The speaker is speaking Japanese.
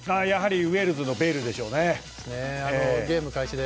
ウェールズのベイルでしょうね。